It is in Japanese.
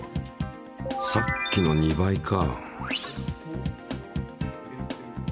さっきの２倍か。